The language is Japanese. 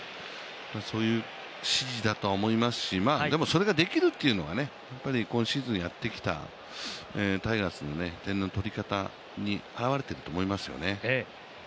そういう指示だとは思いますし、でもそれができるというのが今シーズンやってきたタイガースの点の取り方に表れていると思いますよね。